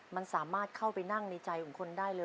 มันสามารถเข้าไปนั่งในใจของคนได้เลย